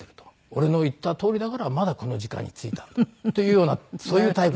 俺の言ったとおりだからまだこの時間に着いたんだというようなそういうタイプでしたね。